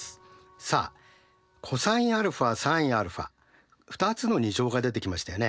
さあｃｏｓαｓｉｎα２つの２乗が出てきましたよね。